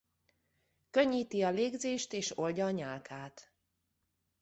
Könnyíti a légzést és oldja a nyálkát.